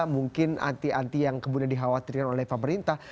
mungkin anti anti yang kemudian dikhawatirkan oleh pemerintah